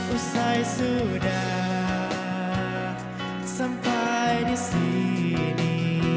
usai sudah sampai disini